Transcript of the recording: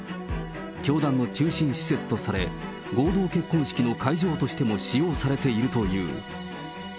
教団の中心施設とされ、合同結婚式の会場としても使用されているという。